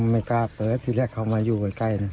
ไม่กล้าเปิดที่แรกเขามาอยู่ใกล้